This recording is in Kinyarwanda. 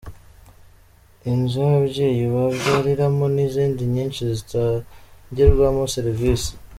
inzu y’ababyeyi babyariramo n’izindi nyinshi zizatangirwamo serivisi